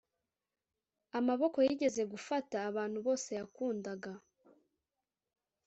amaboko yigeze gufata abantu bose yakundaga,